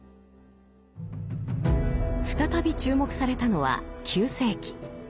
再び注目されたのは９世紀。